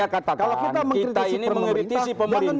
kalau kita mengkritisi pemerintahan